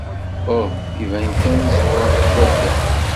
Uh, iban kan tẓewrem deg waddal.